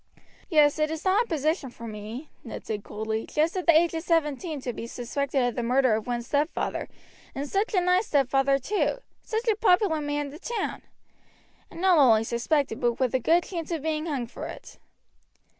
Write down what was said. "Yes, it is not a nice position for me," Ned said coldly, "just at the age of seventeen to be suspected of the murder of one's stepfather, and such a nice stepfather too, such a popular man in the town! And not only suspected, but with a good chance of being hung for it."